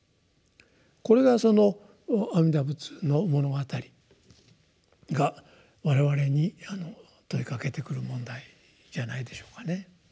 これがその「阿弥陀仏の物語」が我々に問いかけてくる問題じゃないでしょうかね。